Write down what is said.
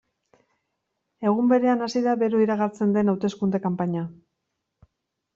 Egun berean hasi da bero iragartzen den hauteskunde kanpaina.